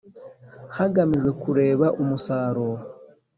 hagamijwe kureba umusaruro